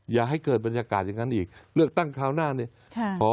อย่าให้เกิดบรรยากาศอย่างนั้นอีกเลือกตั้งคราวหน้าเนี่ย